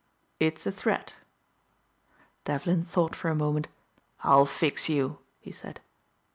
"It's a threat." Devlin thought for a moment. "I'll fix you," he said.